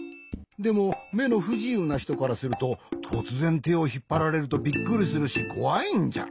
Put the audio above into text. でもめのふじゆうなひとからするととつぜんてをひっぱられるとびっくりするしこわいんじゃ。